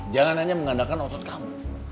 jangan hanya mengandalkan otot kamu